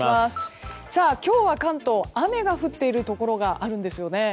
今日は、関東雨が降っているところがあるんですよね。